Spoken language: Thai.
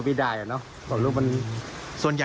พี่ทำยังไงฮะ